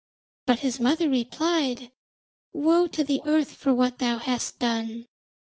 But his mother replied: 'Woe to earth for what thou hast done.